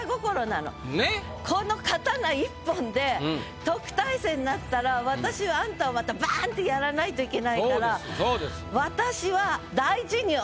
この刀１本で特待生になったら私はあんたをまたバン！ってやらないといけないから。